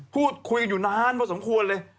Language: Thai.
พูดคุยอยู่นานเผาสมควรเลย